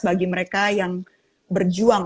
bagi mereka yang berjuang